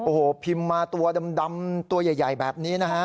โอ้โหพิมพ์มาตัวดำตัวใหญ่แบบนี้นะฮะ